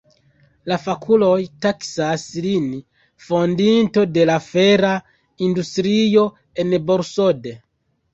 La fakuloj taksas lin fondinto de la fera industrio en Borsod.